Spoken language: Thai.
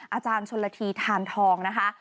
อาจารย์ชนละทีทานทองนะคะ